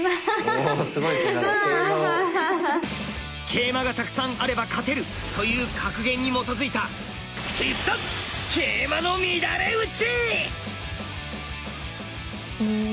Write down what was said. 桂馬がたくさんあれば勝てるという格言に基づいた必殺うん。